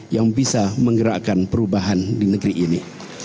yang bisa menggerakkan perubahan di negeri ini